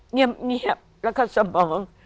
เงียบแล้วก็สมอง